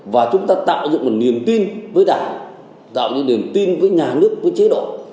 và chúng ta tạo ra một niềm tin với đảng tạo ra một niềm tin với nhà nước với chế độ